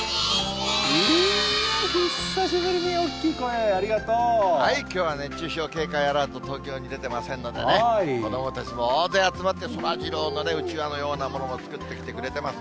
久しぶりに大きい声、ありがきょうは熱中症警戒アラート、東京に出てませんのでね、子どもたちも大勢集まって、そらジローのね、うちわのようなものも作ってきてくれてます。